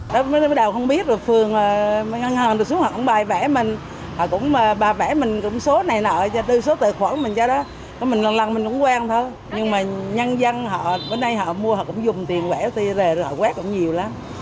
lần mình cũng quen thôi nhưng mà nhân dân họ bên đây họ mua họ cũng dùng tiền vẽ qr rồi họ quét cũng nhiều lắm